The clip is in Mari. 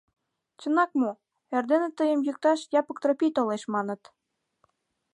Чынак мо, эрдене тыйым йӱкташ Япык Тропий толеш, маныт?